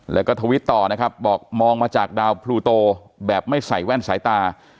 แล้วก็ทวิตต่อนะครับบอกมองมาจากดาวพลูโตแบบไม่ใส่แว่นสายตา